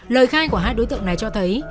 lời khai của hai đối tượng này cho thấy